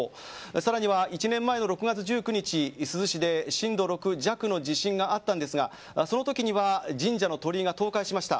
更には、１年前の６月１９日珠洲市で震度６弱の地震があったんですがその時には神社の鳥居が倒壊しました。